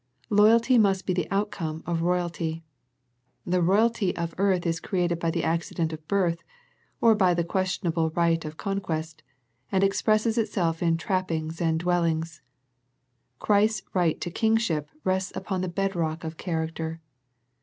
Loyalty must be the outcome of royalty. The royalty of earth is created by the accident of birth, or by the questionable right of conquest, and ex presses itself in trappings and dwellings. Christ's right to Kingship rests upon the bed rock of character.